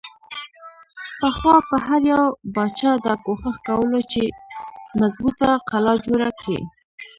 پخوا به هر يو باچا دا کوښښ کولو چې مضبوطه قلا جوړه کړي۔